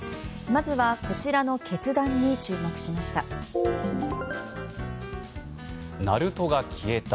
まずは、こちらの決断に注目しました。